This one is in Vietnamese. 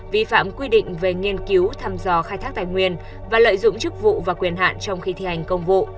vi phạm quy định về nghiên cứu thăm dò khai thác tài nguyên và lợi dụng chức vụ và quyền hạn trong khi thi hành công vụ